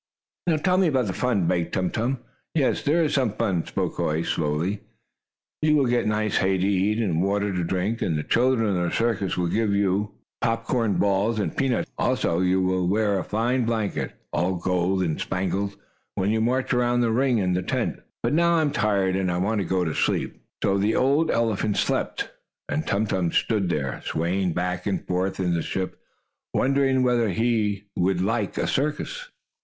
"Now tell me about the fun," begged Tum Tum. "Yes, there is some fun," spoke Hoy, slowly. "You will get nice hay to eat, and water to drink, and the children in the circus will give you popcorn balls and peanuts to eat. Also, you will wear a fine blanket, all gold and spangles, when you march around the ring in the tent. But now I am tired, and I want to go to sleep." So the old elephant slept, and Tum Tum stood there, swaying backward and forward in the ship, wondering whether he would like a circus.